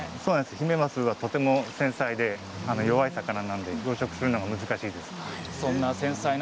ヒメマスはとても繊細で弱い魚なので養殖は難しいんです。